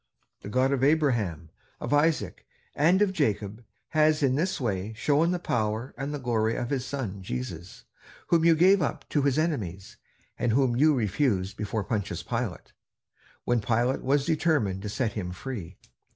The God of Abraham, of Isaac, and of Jacob, has in this way shown the power and the glory of his Son Jesus, whom you gave up to his enemies, and whom you refused before Pontius Pilate, when Pilate was determined to set him free.